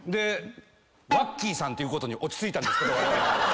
ワッキーさんっていうことに落ち着いたんですけどわれわれ。